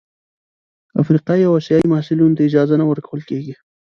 افریقايي او اسیايي محصلینو ته اجازه نه ورکول کیږي.